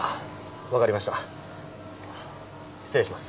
分かりました失礼します